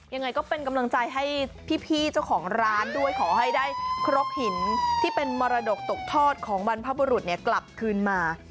ยังไงก็เป็นกำลังใจให้พี่เจ้าของร้านด้วยขอให้ได้ครกหินที่เป็นมรดกตกทอดของบรรพบุรุษกลับคืนมา